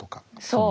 そう！